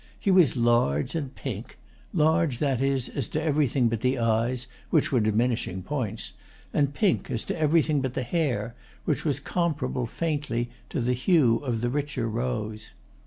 He was large and pink; large, that is, as to everything but the eyes, which were diminishing points, and pink as to everything but the hair, which was comparable, faintly, to the hue of the richer rose.